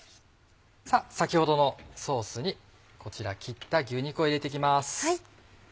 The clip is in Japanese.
さぁ先ほどのソースにこちら切った牛肉を入れて行きます。